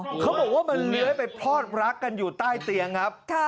เขาบอกว่ามันเลื้อยไปพลอดรักกันอยู่ใต้เตียงครับ